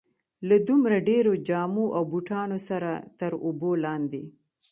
له دومره ډېرو جامو او بوټانو سره تر اوبو لاندې.